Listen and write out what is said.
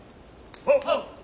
はっ。